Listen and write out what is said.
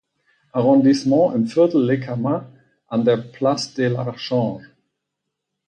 Arrondissement im Viertel "Le Camas" an der "Place de l’Archange".